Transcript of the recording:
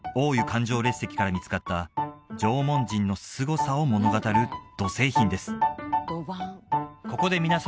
環状列石から見つかった縄文人のすごさを物語る土製品です